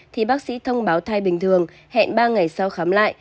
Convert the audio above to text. thì bác sĩ thông báo thai bình thường hẹn ba ngày sau khám lại